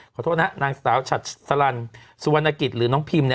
ขอโทษนะนางสาวฉัดสลันสุวรรณกิจหรือน้องพิม